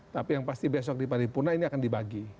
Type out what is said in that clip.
tapi yang pasti besok di paripurna ini akan dibagi